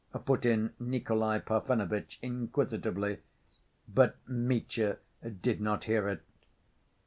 put in Nikolay Parfenovitch inquisitively, but Mitya did not hear it.